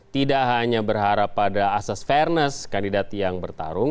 tidak hanya berharap pada asas fairness kandidat yang bertarung